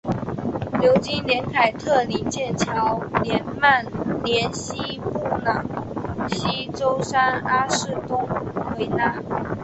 牛津联凯特灵剑桥联曼联西布朗锡周三阿士东维拉